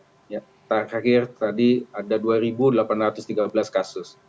terakhir tadi ada dua delapan ratus tiga belas kasus